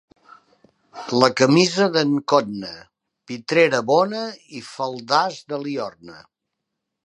La camisa d'en Cotna: pitrera bona i faldars de Liorna.